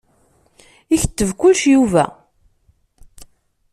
Iketteb kullec Yuba.